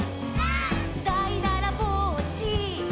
「」「だいだらぼっち」「」